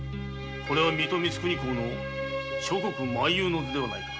これは水戸光圀公の諸国漫遊の図ではないか。